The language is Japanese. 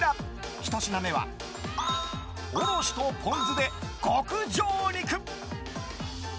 １品目はおろしとポン酢で極上肉。